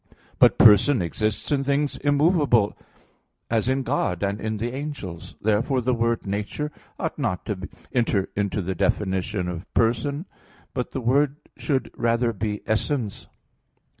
ii). But person exists in things immovable, as in God, and in the angels. Therefore the word "nature" ought not to enter into the definition of person, but the word should rather be "essence."